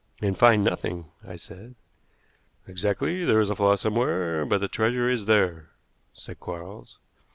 "And find nothing," I said. "Exactly! There is a flaw somewhere, but the treasure is there," said Quarles.